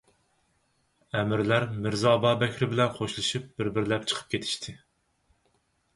ئەمىرلەر مىرزا ئابابەكرى بىلەن خوشلىشىپ بىر-بىرلەپ چىقىپ كېتىشتى.